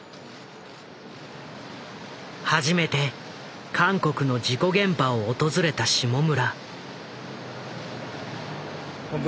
初めて韓国の事故現場を訪れた下村。